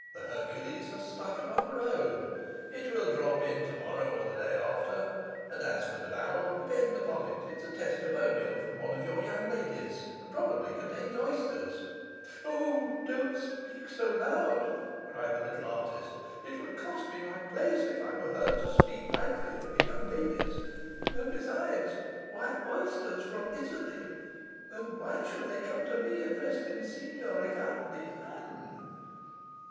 The Hercules has stuck upon the road. It will drop in tomorrow or the day after; and as for the barrel, depend upon it, it's a testimonial from one of your young ladies, and probably contains oysters.' 'O, don't speak so loud!' cried the little artist. 'It would cost me my place if I were heard to speak lightly of the young ladies; and besides, why oysters from Italy? and why should they come to me addressed in Signor Ricardi's hand?